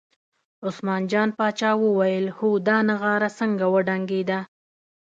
عثمان جان پاچا وویل هو دا نغاره څنګه وډنګېده.